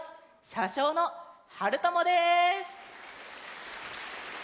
しゃしょうのはるともです。